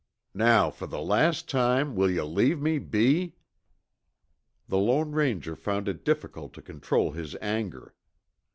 Now, for the last time, will yuh leave me be?" The Lone Ranger found it difficult to control his anger.